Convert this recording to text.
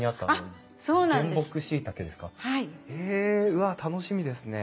うわっ楽しみですね。